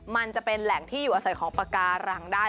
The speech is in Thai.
มันจะเป็นแหล่งที่อยู่อาศัยของปากการังได้